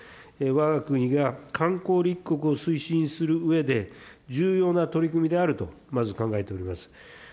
わが国が観光立国を推進するうえで、重要な取り組みであると、まず考えております。